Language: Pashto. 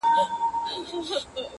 بیرته یوسه خپل راوړي سوغاتونه،